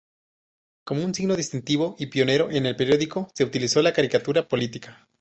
Como un signo distintivo, y pionero, en el periódico se utilizó la caricatura política.